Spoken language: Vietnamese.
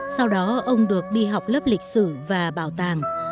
sau đó ông được đi học lớp lịch sử và bảo tàng